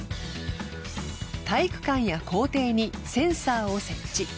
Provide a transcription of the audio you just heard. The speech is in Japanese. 体育館や校庭にセンサーを設置。